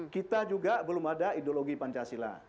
kita juga belum ada ideologi pancasila